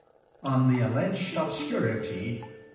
ON THE ALLEGED OBSCURITY OF MR.